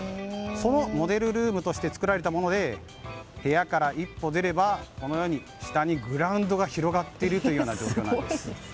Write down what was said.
そのモデルルームとして作られたもので部屋から一歩出れば下にグラウンドが広がっている状況なんです。